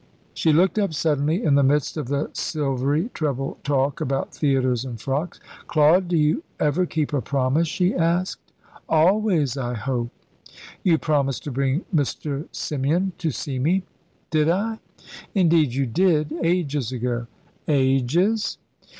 She looked up suddenly in the midst of the silvery treble talk about theatres and frocks. "Claude, do you ever keep a promise?" she asked. "Always, I hope." "You promised to bring Mr. Symeon to see me." "Did I?" "Indeed you did. Ages ago." "Ages?"